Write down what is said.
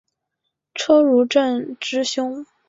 车汝震之兄。